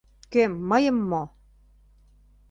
Кӧм, мыйым мо?